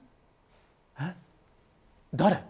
えっ、誰？